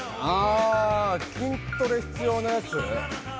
筋トレ必要なやつよね。